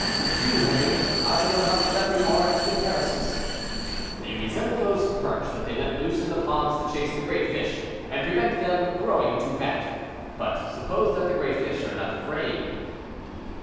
"Do, Henri; I know how clever you are at comparisons." "They resemble those perch that they let loose in the ponds to chase the great fish and prevent them growing too fat; but suppose that the great fish are not afraid?"